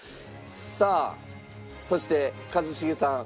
さあそして一茂さん。